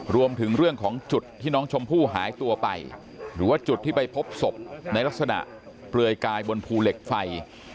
รวมถึงเรื่องของจุดที่น้องชมพู่หายตัวไปหรือว่าจุดที่ไปพบศพในลักษณะเปลือยกายบนภูเหล็กไฟ